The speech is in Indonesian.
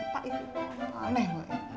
pak ini aneh banget